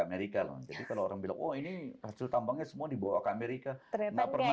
amerika loh jadi kalau orang bilang oh ini hasil tambangnya semua dibawa ke amerika nggak pernah